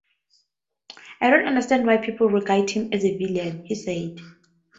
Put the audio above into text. "I don't understand why people regard him as a villain," he said.